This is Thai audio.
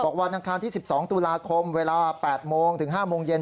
วันอังคารที่๑๒ตุลาคมเวลา๘โมงถึง๕โมงเย็น